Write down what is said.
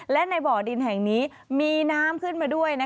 และในบ่อดินแห่งนี้มีน้ำขึ้นมาด้วย